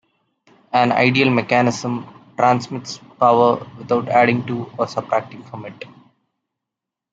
An ideal mechanism transmits power without adding to or subtracting from it.